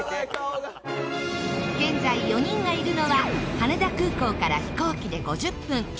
現在４人がいるのは羽田空港から飛行機で５０分。